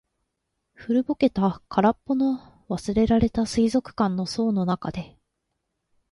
古ぼけた、空っぽの、忘れられた水族館の槽の中で。